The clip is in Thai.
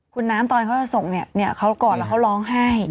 คุณน้ำตอนเขาจะส่งเขาก่อนแล้วเขาร้องให้